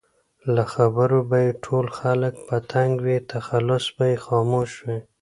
له خبرو به یې ټول خلک په تنګ وي؛ تخلص به یې خاموش وي